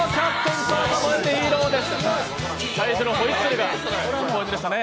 最初のホイッスルがポイントでしたね。